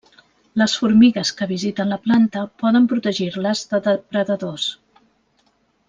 Les formigues que visiten la planta poden protegir-les de depredadors.